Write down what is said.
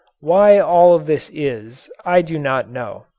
Why all of this is, I do not know.